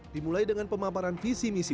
dimulai dengan pemaparan visi misi